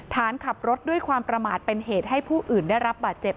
ฐานขับรถด้วยความประมาทเป็นเหตุให้ผู้อื่นได้รับบาดเจ็บ